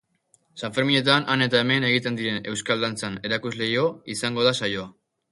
Sanferminetan han eta hemen egiten diren euskal dantzen erakusleiho izango da saioa.